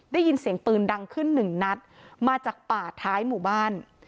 ได้ยินเสียงปืนดังขึ้นหนึ่งนัดมาจากป่าท้ายหมู่บ้าน